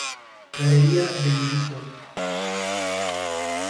Galería Benedito.